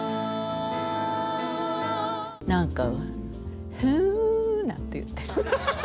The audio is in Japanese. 何かふなんて言って。